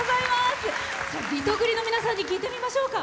リトグリの皆さんに聞いてみましょうか。